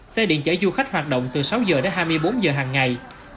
xe điện chở du khách hoạt động từ sáu giờ đến hai mươi bốn giờ hàng ngày